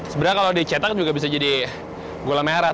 sebenarnya kalau dicetak juga bisa jadi gula merah